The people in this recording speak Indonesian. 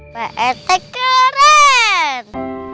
pak rt keren